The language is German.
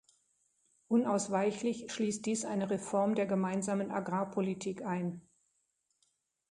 Unausweichlich schließt dies eine Reform der Gemeinsamen Agrarpolitik ein.